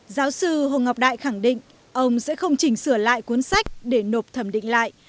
giáo sư hồ ngọc đại khẳng định ông sẽ không chỉnh sửa lại cuốn sách để nộp thẩm định lại